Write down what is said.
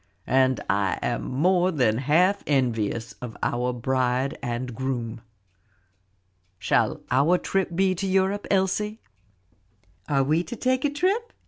And I am more than half envious of our bride and groom. Shall our trip be to Europe, Elsie?" "Are we to take a trip?"